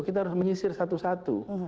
kita harus menyisir satu satu